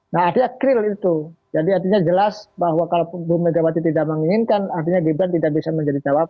nah artinya creal itu jadi artinya jelas bahwa kalau bu megawati tidak menginginkan artinya gibran tidak bisa menjadi cawapres